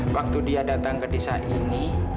waktu dia datang ke desa ini